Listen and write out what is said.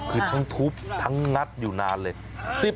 คือทั้งทุบทั้งงัดอยู่นานเลย